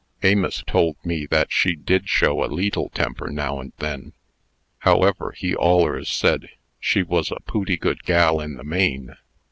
"Amos told me that she did show a leetle temper now and then. However, he allers said she was a pooty good gal in the main.